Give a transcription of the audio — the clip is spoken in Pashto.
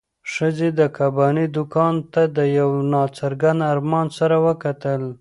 ښځې د کبابي دوکان ته د یو نا څرګند ارمان سره وکتل.